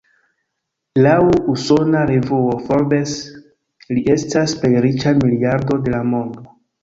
Laŭ usona revuo "Forbes", li estas plej riĉa miliardo de la mondo.